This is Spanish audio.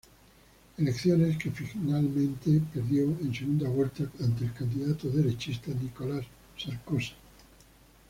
Elecciones que finalmente perdió en segunda vuelta ante el candidato derechista Nicolás Sarkozy.